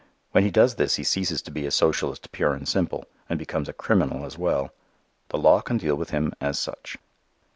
When he does this he ceases to be a socialist pure and simple and becomes a criminal as well. The law can deal with him as such.